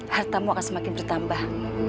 hartamu akan semakin bertambah